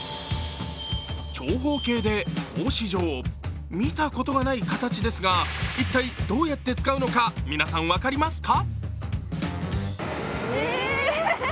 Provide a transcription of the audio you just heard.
長方形で格子状、見たことがない形ですが、一体どうやって使うのか皆さん、分かりますか？